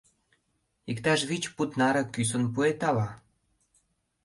Иктаж вич пуд наре кӱсын пуэт ала?..